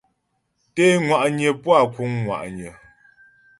Té ŋwa'nyə puá kǔŋ ŋwa'nyə.